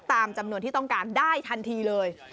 ตามจำนวนที่ต้องการได้ทันทีเลย